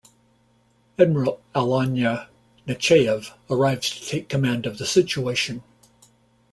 Admiral Alynna Nechayev arrives to take command of the situation.